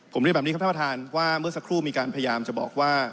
ผมเรียนแบบนี้ครับท่านประธานว่าเมื่อสักครู่มีการพยายามจะบอกว่า